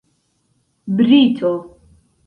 brito